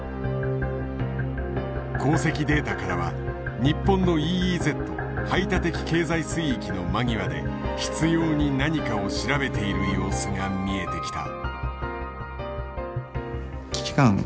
航跡データからは日本のＥＥＺ排他的経済水域の間際で執拗に何かを調べている様子が見えてきた。